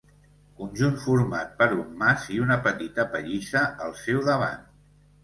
Conjunt format per un mas i una petita pallissa al seu davant.